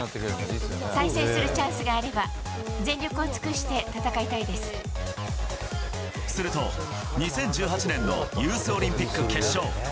対戦するチャンスがあれば、すると、２０１８年のユースオリンピック決勝。